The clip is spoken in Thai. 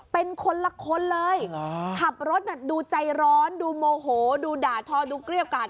เป็นคนละคนเลยขับรถดูใจร้อนดูโมโหดูด่าทอดูเกรี้ยวกาด